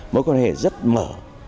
mối quan hệ rất mở